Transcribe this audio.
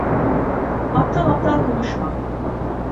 Aptal aptal konuşma.